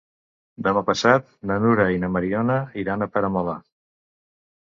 Demà passat na Nura i na Mariona iran a Peramola.